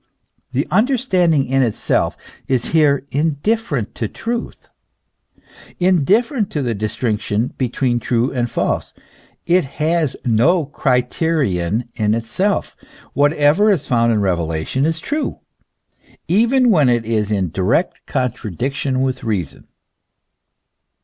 The understanding in itself is here indifferent to truth, indifferent to the distinction between the true and the false; it has no criterion in itself; whatever is found in reve lation is true, even when it is in direct contradiction with reason.